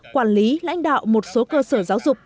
quản lý lãnh đạo một số cơ sở giáo dục